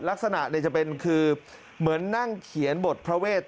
ลักษณะจะเป็นคือเหมือนนั่งเขียนบทพระเวท